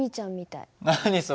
何それ？